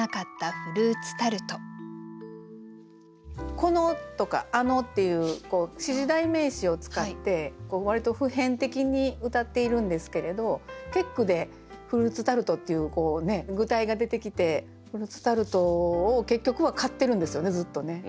「この」とか「あの」っていう指示代名詞を使って割と普遍的にうたっているんですけれど結句で「フルーツタルト」っていう具体が出てきてフルーツタルトを結局は買ってるんですよねずっとね。